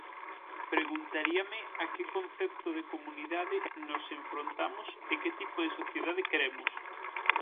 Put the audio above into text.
Preguntaríame a que concepto de comunidade nos enfrontamos e que tipo de sociedade queremos.